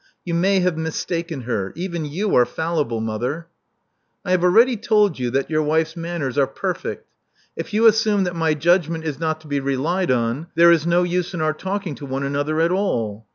You may have mistaken her. Even you are fallible, mother." I have already told you that your wife's manners are perfect. If you assume that my judgment is not to be relied on, there is no use in our talking to one another at all.